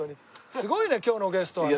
すごいね今日のゲストはね。